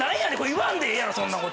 言わんでええやろそんな事。